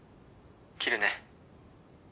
切るね。